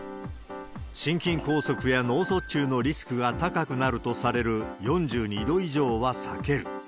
心筋梗塞や脳卒中のリスクが高くなるとされる４２度以上は避ける。